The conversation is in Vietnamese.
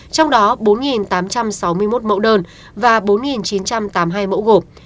trong đó bốn tám trăm sáu mươi một mẫu đơn và bốn chín trăm tám mươi hai mẫu gộp